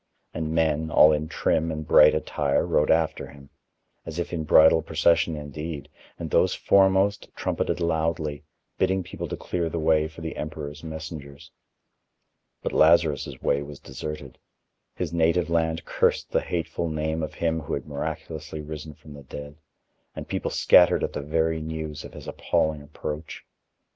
And men, all in trim and bright attire, rode after him, as if in bridal procession indeed, and those foremost trumpeted loudly, bidding people to clear the way for the emperor's messengers. But Lazarus' way was deserted: his native land cursed the hateful name of him who had miraculously risen from the dead, and people scattered at the very news of his appalling approach.